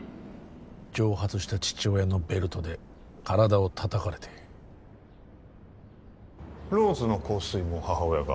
蒸発した父親のベルトで体を叩かれてローズの香水も母親が？